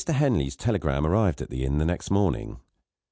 HENLEY's telegram arrived at the inn the next morning.